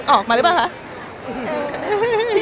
ออกมาหรือเปล่าคะ